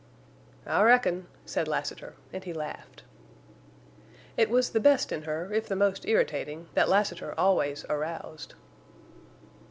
"I reckon," said Lassiter, and he laughed. It was the best in her, if the most irritating, that Lassiter always aroused.